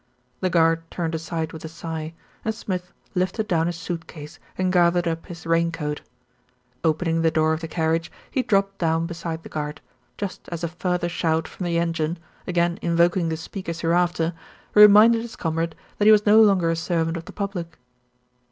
The guard turned aside with a sigh, and Smith lifted down his suit case and gathered up his raincoat. Open ing the door of the carriage, he dropped down beside the guard, just as a further shout from the engine, again invoking the speaker's hereafter, reminded his comrade that he was no longer a servant of the public.